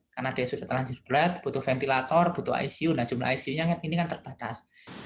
karena dia sudah terlanjur berat butuh ventilator butuh icu nah jumlah icu nya ini kan terbatas